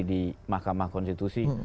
di mahkamah konstitusi